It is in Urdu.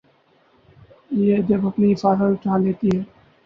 یہ جب اپنی حفاظت اٹھا لیتی ہے۔